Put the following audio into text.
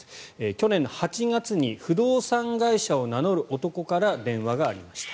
去年８月に不動産会社を名乗る男から電話がありました。